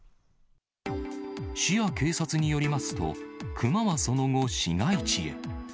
市や警察によりますと、クマはその後、市街地へ。